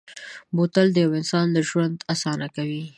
بوتل د یو انسان ژوند اسانه کوي.